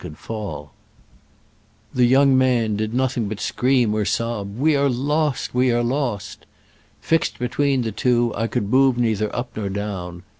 157 The young man did nothing but scream or sob, We are lost! we are lost!" Fixed between the two, I could move neither up nor down.